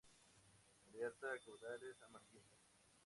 La aleta caudal es amarillenta.